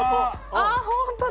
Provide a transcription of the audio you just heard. あっホントだ！